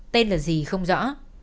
tên là gì không rõ